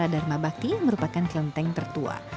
kembali menuju vihara dharma baki merupakan kelenteng tertua